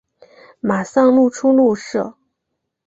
马上露出怒色